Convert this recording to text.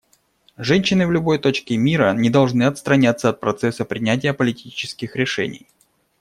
Женщины в любой точке мира не должны отстраняться от процесса принятия политических решений.